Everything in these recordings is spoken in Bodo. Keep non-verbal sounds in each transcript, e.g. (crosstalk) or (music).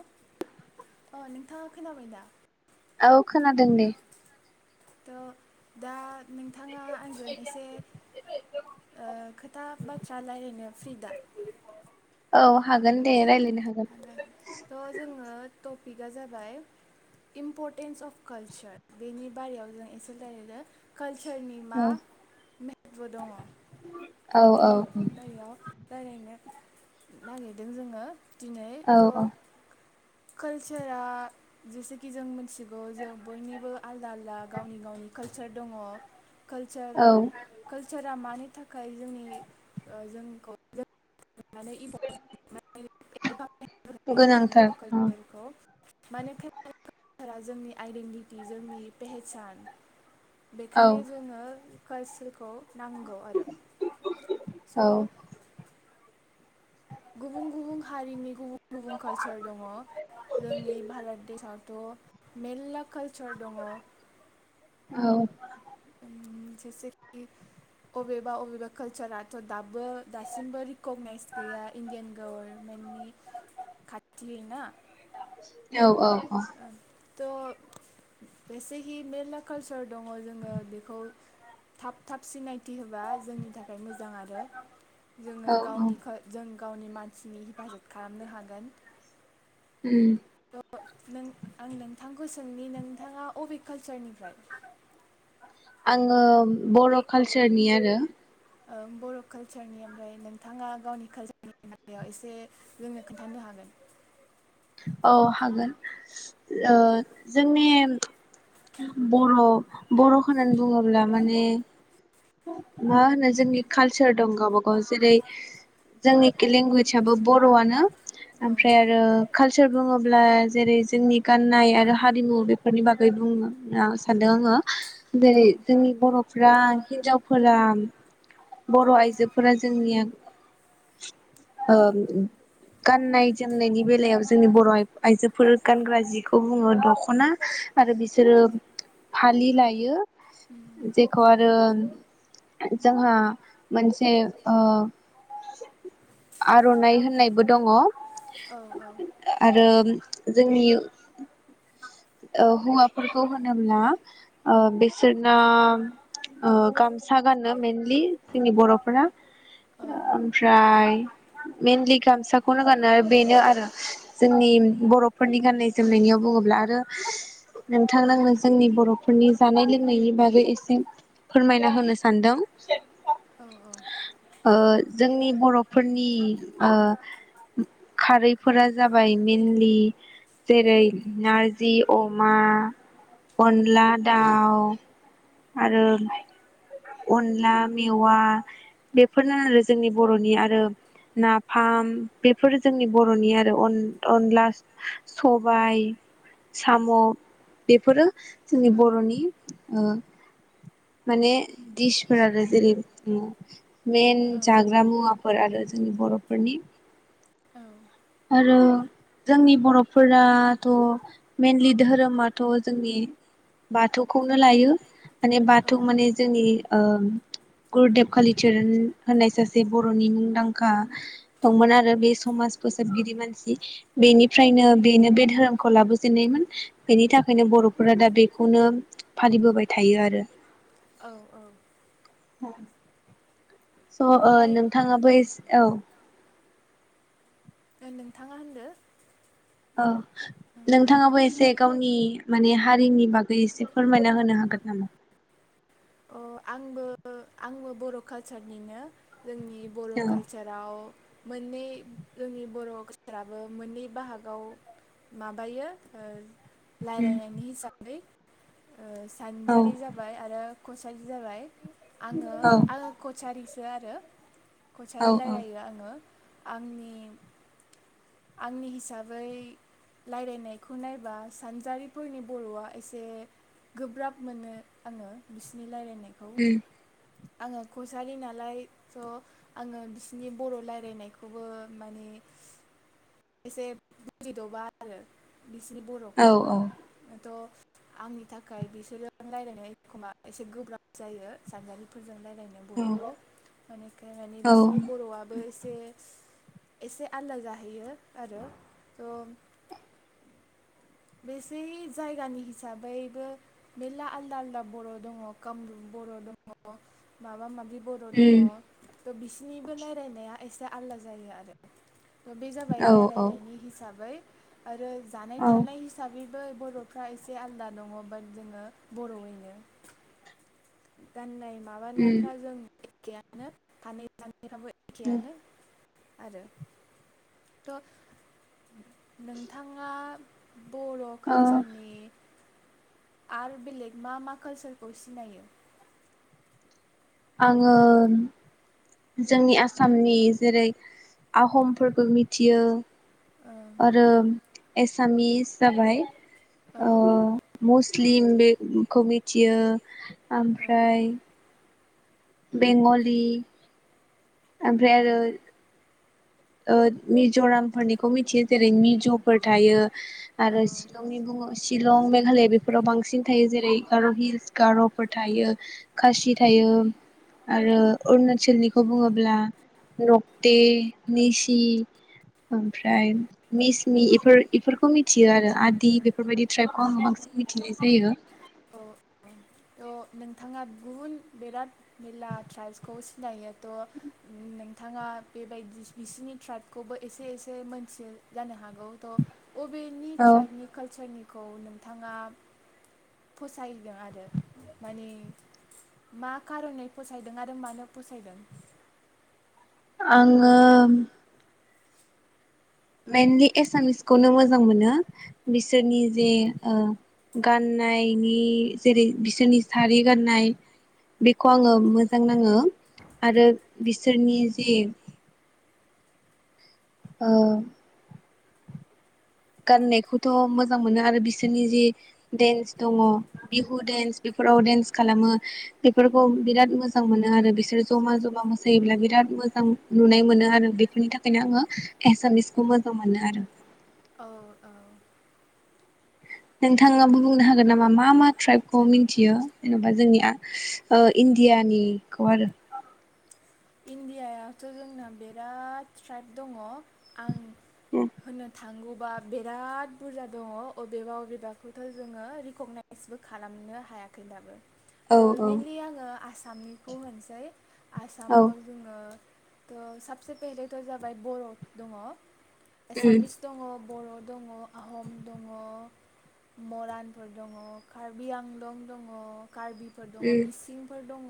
हेल' अ नोंथाङा खोनाबाय दा औ खोनादों दे द' दा नोंथाङा आंजों एसे ओ खो था बाथ्रा रायज्लायनो फ्रि दा औ हागोन दे रायज्लायनो हागोन थ' जोङो टपिकआ जाबाय इम्परटेन्स अफ कालसार बेनि बारायाव जों एसे रायलाय गोन काल सरनि मा बो दङ औ औ बेनि (unintelligible) रायज्लायनो नागिरदों जोङो दिनै औ थ' औ कालचारा जेसेखि जों मिथिगौ जों बयनिबो आलदा आलदा गावनि गावनि काल चार दङ औ कलचार कलचारा मानि थाखाय जोंनि ओ जोंखौ (unintelligible) (unintelligible) गोनांथार औ जोंनि आइडेन्टित जोंनि पेहेसान औ बेखायनो जोङो खालसारखौ नांगौ आरो औ स' गुबुन गुबुन हारिनि गुबु बुन कालचार दङ जोंनि भारत देशआवथ' मेर्ला कालचार दङ। औ जेसेखि अबेबा अबेबा कालसाराथ' दाबो दासिमबो रिकगनाइज गैया इण्डियान गभर्मेन्टनि खाथि ना औ औ औ थ' एसेहि मेर्ला कालसार दङ जोङो बेखौ थाब थाब सिनाय थि होबा जोंनि थाखाय मोजां आरो जोङो औ औ गावनि जों गावनि मानसिनि हेफाजाब खालामनो हागोन उम नों आं नोंथांखौ सोंनि नोंथाङा अबे कालसारनिफ्राय आङो बर' कालसारनि आरो ओ बर' कालसारनि ओमफ्राय नोंथाङा गावनि कालसारनि बेलायाव एसे जोंनो खोन्थानो हागोन। औ हागोन ओ जोंनि बर' बर' होननानै बुङोब्ला माने मा होनो जोंनि कालचार दं गावबा गाव जेरै जोंनि लेंगुवेज आबो बर'आनो औ ओमफ्राय आरो कालचार बुङोब्ला जेरै जोंनि गाननाय आरो हारिमु बेफोरनि बागै बुंनो सानदों आङो औ जेरै जोंनि बर'फ्रा हिनजावफोरा बर' आइजोफोरा जोंनिया ओ गाननाय जोमनायनि बेलायाव जोंनि बर' आइजोफोर गानग्रा जिखौ बुङो दख'ना आरो बिसोरो फालि लायो जेखौ आरो जोंहा मोनसे ओ आर'नाइ होननायबो दङ। औ औ ओ जोंनि ओ हौवाफोरखौ होनोब्ला ओ बिसोरना ओ गामसा गानो मेनलि जोंनि बर'फोरा औ ओमफ्राय मेनलि गामसाखौनो गानो आरो बेनो आरो जोंनि बर'फोरनि गान्नाय जोमनायनियाव बुङोब्ला आरो नोंथां नो जोंनि बर'फोरनि जानाय लोंनायनि बागै एसे फोरमायना होनो सानदों। औ औ ओ जोंनि बर'फोरनि ओ खारैफोरा जाबाय मेनलि जेरै नार जि, अमा, अनला, दाउ आरो अनला मेवा बेफोरनो आरो जोंनि बर'नि आरो नाफाम बेफोरो जोंनि बर'नि आरो अन-अनला, सबाय साम' बेफोरो जोंनि बर'नि माने दिसफोर आरो जेरै उ मेन जाग्रा मुवाफोर आरो जोंनि बर'फोरनि आरो औ आरो जोंनि बर'फोराथ' मेनलि धोरोमाथ' जोंनि बाथौखौनो लायो। माने औ बाथौ माने जोंनि ओ गुरुदेब कालिचरन होननाय सासे बर'नि मुंदांखा दंमोन आरो बे समाज फोसाबगिरि मानसि बेनिफ्रायनो बेनो बे धोरोमखौ लाबोजेनन्नायमोन बेनि थाखायनो बर'फोरा दा बेखौनो फालिबोबाय थायो आरो औ औ औ स' ओ ओमफ्राय नोंथाङाबो एसे औ नोंथाङा होनदो औ नोंथाङाबो एसे गावनि माने हारिनि बागै एसे फोरमायना होनो हागोन नामा? अ आंबो आंबो बर' कालचारनिनो जोंनि बर' औ कालचाराव मोननै जोंनि बर' कालसाराबो मोननै बाहागाव माबायो ओ उम रायलायनायनि हिसाबै ओ औ सानजारि जाबाय आरो बायदि जाबाय आङो आं कचारिस सो आरो औ कसारि रायलायो आङो। आंनि आंनि हिसाबै रायलायनायखौ नायब्ला सानजारिफोरनि बर'आ एसे गोब्राब मोनो आङो बिसोरनि रायलायनाय खौ उम आङो कसारि नालाय थ' आङो बिसिनि बर' रायलायनायखौबो माने एसे बुजिदबा आरो। बिसिनि औ बर'खौबो औ थ' आंनि थाखाय बिसोरो रायज्लायनाय एखमबा एसे गोब्राब जायो सानजारि जों रायलायनाय बर'खौ (unintelligible) औ बिसिनि बर'आबो एसे एसे आलदा जाहैयो आरो थ' बेसे जायगानि हिसाबैबो मेरला आलदा आलदा बर' दङ कामरुप बर' दङ माबा माबि बि बर' दङ। उम थ' बिसोरनिबो रायलायनाया एसे आलदा जायो आरो। ओ बे जाबाय औ औ रायलायनायनि हिसाबै आरो औ थानाय हिसाबै बै बर'फ्रा एसे आलदा दङ बाट जोङो बर'यैनो गाननाय उम माबानायफ्रा जों खेयानो खानै खान ए फ्राबो एखेयानो। आरो थ' नोंथाङा बर' ओ कालचारनि आरो बेलेग मा मा काल्चारखौ सिनायो आङो जोंनि आसामनि जेरै आहमफोरखौ मिथियो ओं आरो एसामिस जाबाय औ ओ औ मुस्लिम बेखौ थियो ओमफ्राय बेंगलि ओमफ्राय आरो ओ मिज'रामफोरनिखौ मिथियो जेरै मिज'फोर थायो औ आरो शिलंनि दङ शिलं मेग (unintelligible) बेफोराव बांसिन थायो जेरै गार' हिल्स गार'फोर थायो खासि थायो आरो अरुणाचलनि खौ बुङोब्ला रक्टे निसि ओमफ्राय मिसमि इफोर बेफोरखौ मिथियो आरो आदि बेफोरबायदि ट्राइबखौ आङो बांसिन मिथिनाय जायो औ थ' नोंथाङा गुबुन बेराद मेला ट्राइब्सखौ सिनायो त' बिथाङा बेबायदि बिसिनि ट्राइबखौबो एसे एसे मोनथि जानो हागौ थ' बबेनि औ ट्राइबनि काल्चारनि खौ नोंथाङा फसायदों आरो माने मा खार'नै फसायदों आरो मानो फसायदों आङो मेइनलि एसामिसखौनो मोजां मोनो बिसोरनि जे ओ गाननायनि जेरै बिसोरनि सारि गाननाय बेखौ आङो औ मोजां नाङो आरो बिसोरनि जे औ गाननायखौथ' मोजां मोनो आरो बिसोरनि जि देन्स दङ बिहु देन्स बेफोराव डेन्स खालामो बेफोरखौ बिराद मोजां मोनो आरो बिसोर जमा जमा मोसायोब्ला बिराद मोजां नुनाय मोनो आरो बेफोरनि थाखायनो आङो एसामिसखौ मोजां मोनो आरो औ औ नोंथाङाबो बुंनो हागोन नामा मा मा ट्राइबखौ मिथियो जेन'बा जोंनिया ओ इण्डियानिखौ आरो इण्डियाथ' जोंना बिराद ट्राइब दङ आं होनो थांगौ बा बिराद बुरजा दङ अबेबा अबेबाखौथ' जोङो रिकगनाइसबो खालामनो हायाखै दाबो त औ मेनलि आङो आसा सामनिखौ होनसै औ आसामाव थ' सबसे फेेेहेलेथ' जाबाय बर' दङ उम एसामिस दङ बर' दङ आहम दङ मरानफोर दङ कार्बि आंलं दङ कार्बिफोर दङ उम मिसिंफोर दङ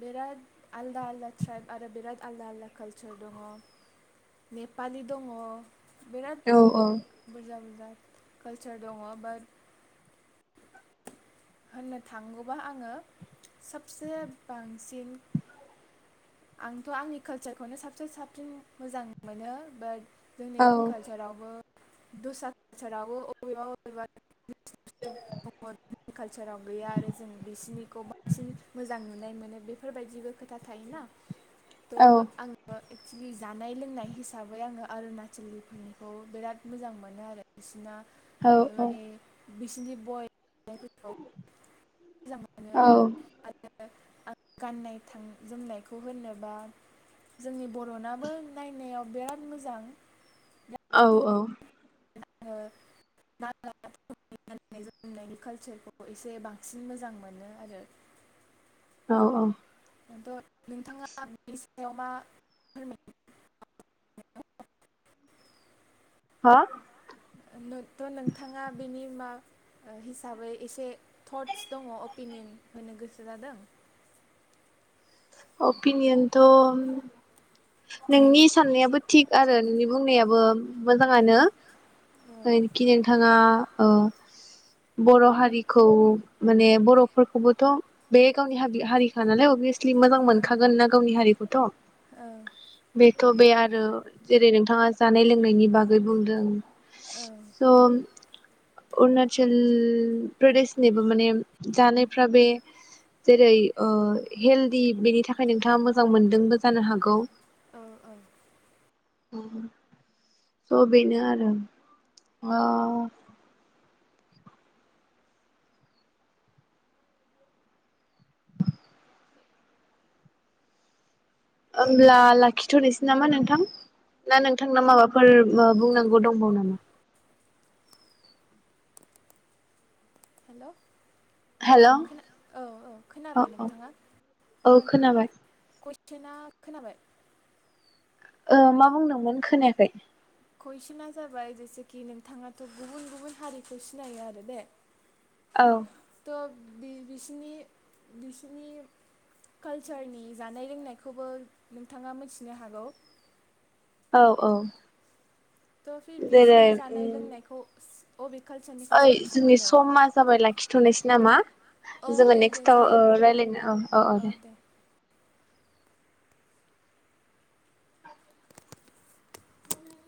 बिराद आलदा आलदा ट्राइब आरो बिराद आलदा आलदा कालचार दङ नेपालि दङ बिराद औ बुरजा बुरजा कालचार दङ बाट होननो थांगौबा आङो सबसे बांसिन आंथ' आंनि कालसारखौनो साबसिन साबसिन मोजां मोनो बाट जोंनि औ कालचारावबो दस्रा कालचारावबो बबेबा बबेबा कालचाराव गैया आरो जों बिसोरनिखौ बांसिन मोजां नुनाय मोनो बेफोरबायदिबो खोथा थायोना औ थ' आङो एक्सलि जानाय लोंनाय हिसाबै आङो अरुणाचलिफोरनिखौ बिराद मोजां मोनो आरो बिसिना औ माने बिसोरनि बय बनायफोरखौ मोजां मोनो आरो आं गाननाय जोमनायखौ होनोबा जोंनि बर'नाबो नायनायाव बिराद मोजां बिराद औ सुन्दर औ आङो नागाफोरनि गाननाय जोमनायनि कालसारखौ एसे बांसिन मोजां मोनो आरो औ औ न्थ' नोंथाङा बिनि सायाव मा फोरमाय हा नोन थ' नोंथाङा बेनि सिमा हिसाबै एसे टट्स दङ अपिनियन होनो गोसो जादों अपिनियनथ' नोंनि साननायाबो थिग आरो नोंनि बुंनायाबो ओ मोजाङानो ओ खि नोंथाङा औ बर' हारिखौ माने बर'फोरखौबोथ' बे गावनि हारि हारिखा नालाय अभियासलि मोजां मोनखागोन ना गावनि हारिखौथ' ओ बे थ' बे आरो जेरै नोंथाङा जानाय लोंनायनि बागै बुंदों स' अरुणाचल प्रदेशनिबो माने जानायफ्रा बे जेरै हेल्थ बेनि थाखाय नोंथाङा मोजां मोन्दोंबो जानो हागौ औ औ थ' बेनो आरो होमब्ला लाखिथ'नोसै नामा नोंथां ना नोंथांना माबाफोर बुंनांगौ दंबावो नामा? हेल' हेल' औ औ औ खोनाबाय औ नोंथाङा औ खोनाबाय (unintelligible) खोनाबाय ओ मा बुंदोंमोन खोनायाखै। कुइसना जाबाय जेसेखि नोंथाङाथ गुबुन गुबुन हारिखौ सिनायो आरो दे। औ बिनि बिसनि कालसारनि जानाय लोंनायखौबो नोंथाङा मिथिनो हागौ। औ औ थ फिर जेरै बिसिनि जानाय उम लोंनायखौ ू अ बि ओइ जोंनि समा जाबाय लाखिथनि। सै नामा? अ जोङो दे दे नेक्स्टआव जायो रायज्लायनो औ औ औ दे।